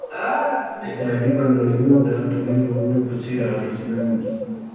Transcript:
اقتصادي بندیزونه د اټومي بمونو په څیر اغیزمن دي.